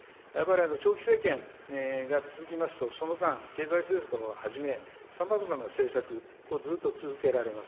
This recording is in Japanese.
長期政権が続きますと、その間、経済政策をはじめ、さまざまな政策、ずっと続けられます。